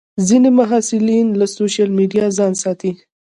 ځینې محصلین له سوشیل میډیا ځان ساتي.